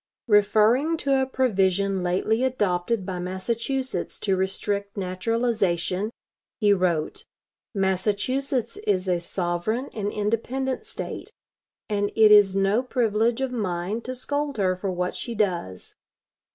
Referring to a provision lately adopted by Massachusetts to restrict naturalization, he wrote: "Massachusetts is a sovereign and independent State; and it is no privilege of mine to scold her for what she does.